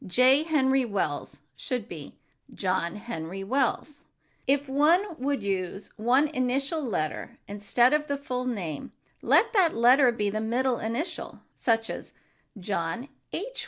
"J. Henry Wells" should be "John Henry Wells." If one would use one initial letter instead of the full name, let that letter be the middle initial, as "John H.